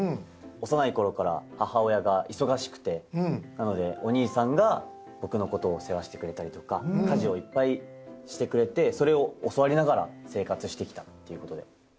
幼い頃から母親が忙しくてなのでお兄さんが僕のことを世話してくれたりとか家事をいっぱいしてくれてそれを教わりながら生活してきたっていうことで。